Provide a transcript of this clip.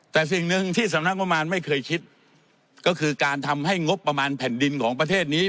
แต่สิ่งหนึ่งที่สำนักงบประมาณไม่เคยคิดก็คือการทำให้งบประมาณแผ่นดินของประเทศนี้